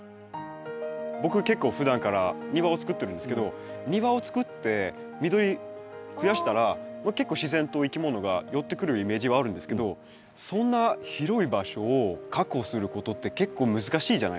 僕結構ふだんから庭を作ってるんですけど庭を作って緑増やしたら結構自然といきものが寄ってくるイメージはあるんですけどそんな広い場所を確保することって結構難しいじゃないですか。